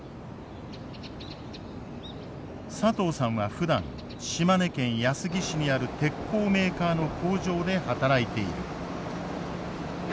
佐藤さんはふだん島根県安来市にある鉄鋼メーカーの工場で働いている。